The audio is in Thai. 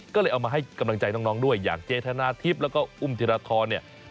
ก็เลยเอามาให้กำลังใจน้องด้วยอย่างเจธนาทิพย์แล้วก็อุ้มธิรทรเนี่ย